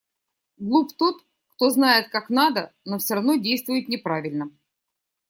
Глуп тот, кто знает, как надо, но всё равно действует неправильно.